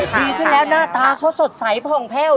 ดีขึ้นแล้วหน้าตาเขาสดใสผ่องแพ่ว